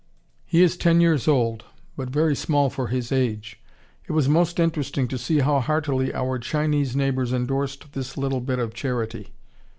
He is ten years old, but very small for his age. It was most interesting to see how heartily our Chinese neighbors endorsed this little bit of charity.